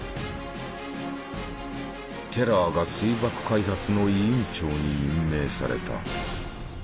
テラーが水爆開発の委員長に任命された。